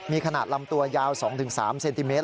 มีขนาดลำตัวยาว๒๓เซนติเมตร